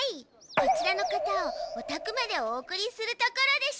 こちらの方をおたくまでお送りするところです。